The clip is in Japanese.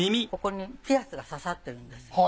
ここにピアスが刺さってるんです。